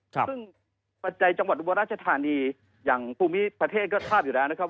ซึ่งปัจจัยจังหวัดอุบลราชธานีอย่างภูมิประเทศก็ทราบอยู่แล้วนะครับ